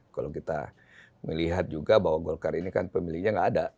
kalau kita melihat juga bahwa golkar ini kan pemilihnya nggak ada